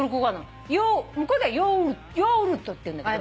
向こうでは「ヨールト」っていうんだけど。